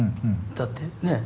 だってねえ？